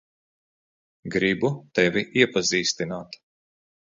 Gribu tevi iepazīstināt.